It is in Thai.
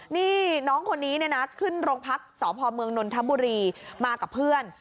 นี่น้องคนนี้เนี่ยนะขึ้นโรงพักษพเมืองนนทบุรีมากับเพื่อน